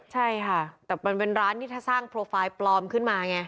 ใช่ค่ะแต่มันเป็นร้านที่ถ้าสร้างโปรไฟล์ปลอมขึ้นมาไง